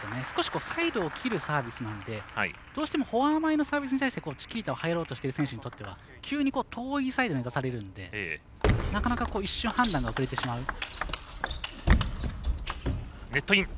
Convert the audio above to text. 少しサイドを切るサービスなのでどうしてもフォア前のサービスに対してチキータを入ろうとしている選手にとっては急に遠いサイドに出されるのでなかなか、一瞬判断が遅れてしまう。